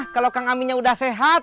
kalau kang aminnya sudah sehat